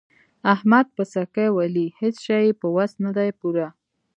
احمد پسکۍ ولي؛ هيڅ شی يې په وس نه دی پوره.